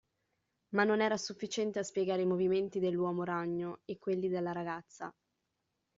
Ma non era sufficiente a spiegare i movimenti dell'uomo ragno e quelli della ragazza.